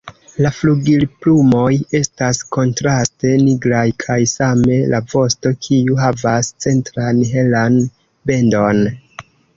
La flugilplumoj estas kontraste nigraj kaj same la vosto kiu havas centran helan bendon.